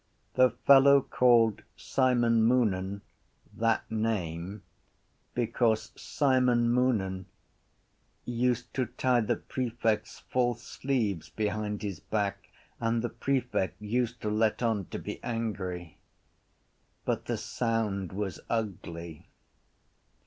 The fellow called Simon Moonan that name because Simon Moonan used to tie the prefect’s false sleeves behind his back and the prefect used to let on to be angry. But the sound was ugly.